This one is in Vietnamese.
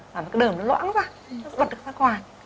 làm cái đờm nó loãng ra nó bật ra ngoài